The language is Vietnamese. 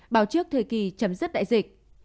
báo trước thời kỳ chấm dứt đại dịch